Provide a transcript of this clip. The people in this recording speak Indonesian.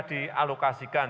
di alokasi kesehatan